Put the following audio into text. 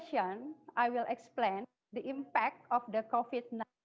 saya ingin berterima kasih kepada dr hatip basri